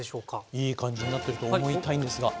いい感じになってると思いたいんですが。